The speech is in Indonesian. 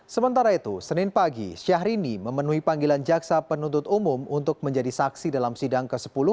sementara itu senin pagi syahrini memenuhi panggilan jaksa penuntut umum untuk menjadi saksi dalam sidang ke sepuluh